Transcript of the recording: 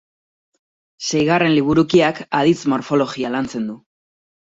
Seigarren liburukiak aditz morfologia lantzen du.